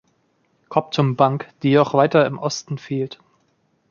Comptum-Bank, die jedoch weiter im Osten fehlt.